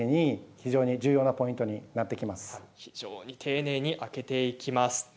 非常に丁寧に開けていきます。